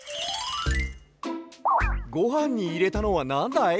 ごはんにいれたのはなんだい？